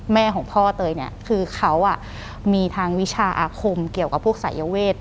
แม่ของพ่อเตยเนี่ยคือเขามีทางวิชาอาคมเกี่ยวกับพวกสายเวท